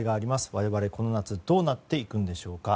我々、この夏どうなっていくんでしょうか。